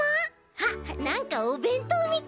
あっなんかおべんとうみたい。